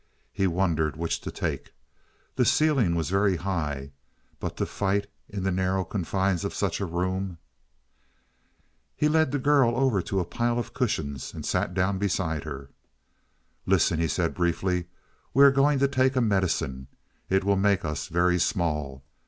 He wondered which to take. The ceiling was very high; but to fight in the narrow confines of such a room He led the girl over to a pile of cushions and sat down beside her. "Listen," he said briefly. "We are going to take a medicine; it will make us very small.